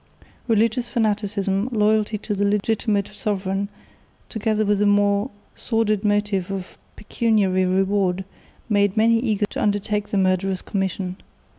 Religious fanaticism, loyalty to the legitimate sovereign, together with the more sordid motive of pecuniary reward, made many eager to undertake the murderous commission.